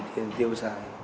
tiền tiêu xài